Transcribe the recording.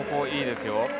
いいですよ。